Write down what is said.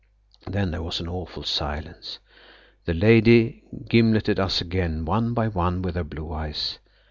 Then there was an awful silence. The lady gimleted us again one by one with her blue eyes.